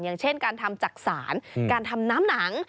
อย่างเช่นการทำจักษานการทำน้ำหนัง